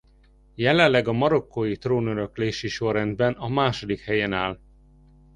Jelenleg a marokkói trónöröklési sorrendben a második helyen áll.